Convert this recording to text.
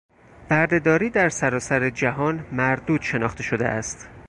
بردهداری در سراسر جهان مردود شناخته شده است.